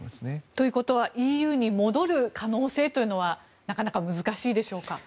ということはＥＵに戻る可能性というのはなかなか難しいでしょうか。